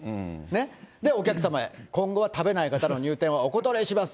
お客様へ、今後は食べない方の入店はお断りします。